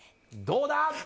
どうだ！